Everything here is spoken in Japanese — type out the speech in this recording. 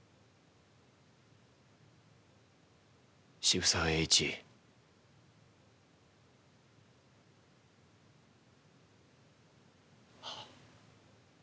渋沢栄一。ははっ。